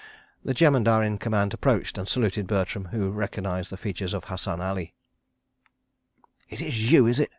The Jemadar in command approached and saluted Bertram, who recognised the features of Hassan Ali. "It's you, is it!"